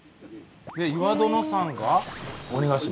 岩殿山が鬼ヶ島？